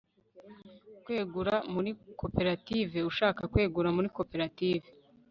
kwegura muri koperative ushaka kwegura muri koperative